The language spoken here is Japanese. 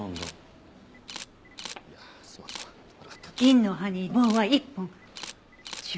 銀の葉に棒は１本巡査？